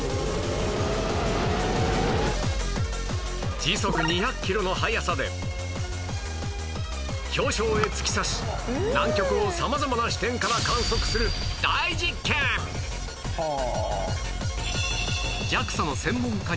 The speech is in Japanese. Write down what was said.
時速２００キロの速さで氷床へ突き刺し南極を様々な視点から観測する大実験！はあ。